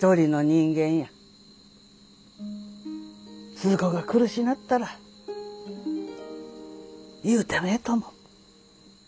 スズ子が苦しなったら言うてもええと思う。